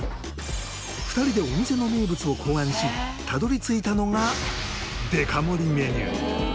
２人でお店の名物を考案したどり着いたのがデカ盛りメニュー。